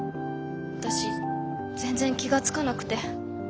私全然気が付かなくて。